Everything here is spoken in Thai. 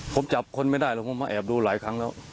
ผมจับคนไม่ได้หรอกผมมาแอบดูหลายครั้งแล้ว